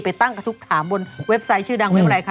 ไปตั้งกระทุกถามบนเว็บไซต์ชื่อดังเว็บอะไรคะ